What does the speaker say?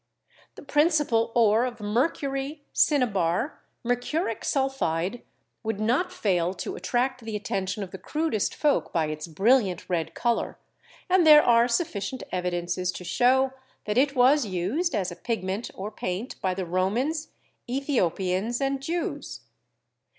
The principal ore of mercury, cinnabar, mercuric sulphide, would not fail to attract the attention of the crudest folk by its brilliant red color, and there are sufficient evidences to show that it was used as a pigment or paint by the Romans, Ethiopians and Jews.